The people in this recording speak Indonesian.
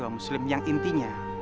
wa muslim yang intinya